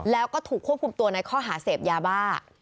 แล้วก็ถูกควบคุมตัวในข้อหาเสพยาบ้า